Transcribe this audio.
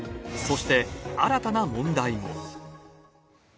そして新たな問題も。